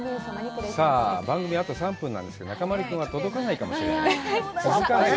さあ、番組は、あと３分なんですけど、中丸君は届かないかもしれない。